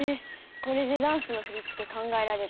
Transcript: これでダンスの振り付け考えられる。